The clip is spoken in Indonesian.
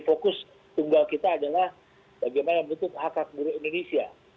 jadi fokus tunggal kita adalah bagaimana menutup hakikat buruh indonesia